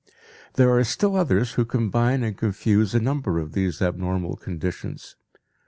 There are still others who combine and confuse a number of these abnormal conditions.